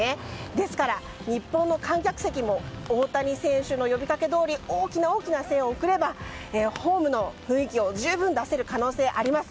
ですから、日本の観客席も大谷選手の呼びかけどおり大きな声援を送ればホームの雰囲気を十分出せる可能性があります。